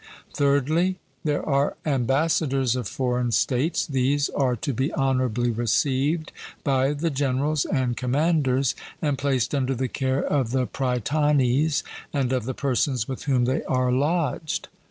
Thirdly, there are ambassadors of foreign states; these are to be honourably received by the generals and commanders, and placed under the care of the Prytanes and of the persons with whom they are lodged.